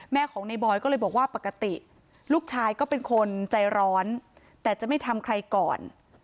ของในบอยก็เลยบอกว่าปกติลูกชายก็เป็นคนใจร้อนแต่จะไม่ทำใครก่อน